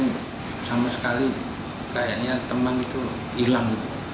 saya sama sekali kayaknya teman itu hilang gitu